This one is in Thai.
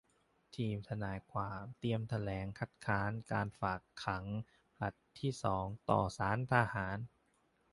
ทีมทนายความเตรียมแถลงคัดค้านการฝากขังผลัดที่สองต่อศาลทหาร